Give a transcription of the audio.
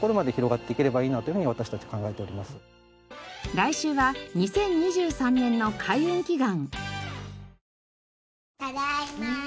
来週は２０２３年の開運祈願。